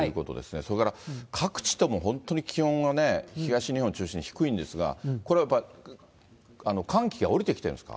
それから各地とも本当に気温がね、東日本を中心に低いんですが、これはやっぱり寒気が降りてきてるんですか。